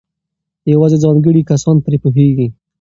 یوازې ځانګړي کسان پرې پوهېږي.